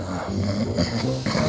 mak ini yang pejitin ya